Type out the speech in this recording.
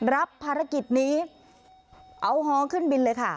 รับภารกิจนี้เอาฮอขึ้นบินเลยค่ะ